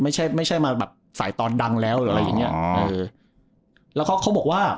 ไม่ใช่ไม่ใช่มาแบบสายตอนดังแล้วหรืออะไรอย่างเงี้เออแล้วเขาเขาบอกว่า